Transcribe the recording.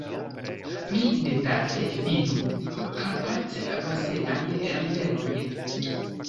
Pli detale vidu: Karpat-basenaj riveroj.